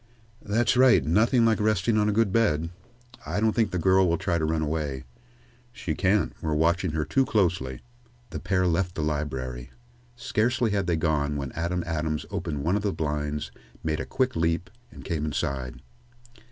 "That's right; nothing like resting on a good bed. I don't think the girl will try to run away," "She can't we're watching her too closely." The pair left the library. Scarcely had they gone when Adam Adams opened one of the blinds, made a quick leap, and came inside.